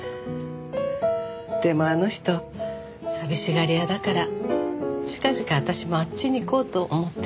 でもあの人寂しがり屋だから近々私もあっちに行こうと思ってるの。